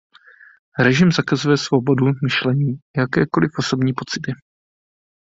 Režim zakazuje svobodu myšlení i jakékoliv osobní pocity.